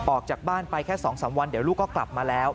ออกจากบ้านไปแค่๒๓วันเดี๋ยวลูกก็กลับมาแล้ว